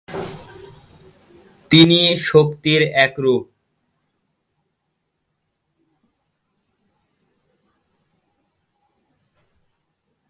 তিনি শক্তির এক রূপ।